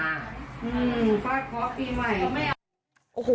เนี่ยมันเด้งผ่านไปเลย